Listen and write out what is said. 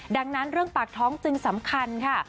ดังนั้นเรื่องปากท้องจึงสำคัญค่ะ